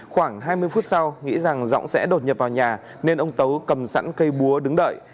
khoảng hai mươi phút sau nghĩ rằng giọng sẽ đột nhập vào nhà nên ông tấu cầm sẵn cây búa đứng đợi